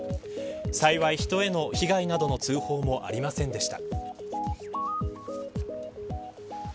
幸い、人への被害などの通報もありませんでした。